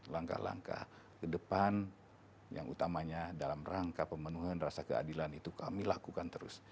langkah langkah ke depan yang utamanya dalam rangka pemenuhan rasa keadilan itu kami lakukan terus